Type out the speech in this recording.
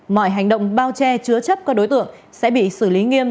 mọi hành động bao che chứa chấp các đối tượng sẽ bị xử lý nghiêm